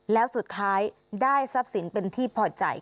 แล้วสุดท้ายได้ทรัพย์สินเป็นที่พอใจ